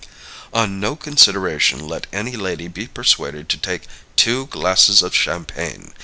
On no consideration let any lady be persuaded to take two glasses of champagne.